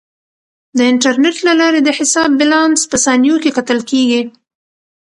د انټرنیټ له لارې د حساب بیلانس په ثانیو کې کتل کیږي.